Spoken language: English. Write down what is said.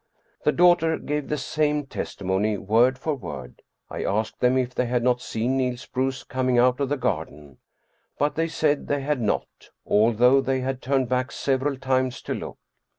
The daughter gave the same testimony, word for word. I asked them if they had not seen Niels Bruus coming out of the garden. But they said they had not, although they had turned back several times to look.